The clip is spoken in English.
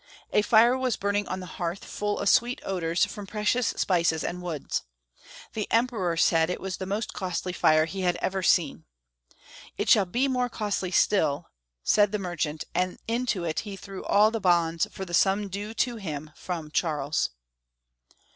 A fire was burning on the hearth full of sweet odors from precious spices and woods. The Emperor said it was the most costly fire he had ever seen. " It shall be more costly still," said the merchant, and into it he threw all the bonds for the sum due to him from Charles.